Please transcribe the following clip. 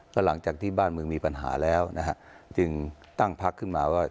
ก็หลังจากที่บ้านเมืองมีปัญหาแล้วนะฮะจึงตั้งพักขึ้นมาว่า